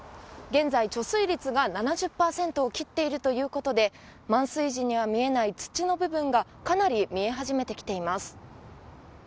現在、貯水率が７０％を切っているということで満水時には見えない土の部分がかなり見え始めてきています。